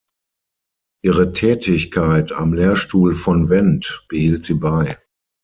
Ihre Tätigkeit am Lehrstuhl von Wendt behielt sie bei.